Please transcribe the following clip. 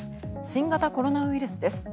新型コロナウイルスです。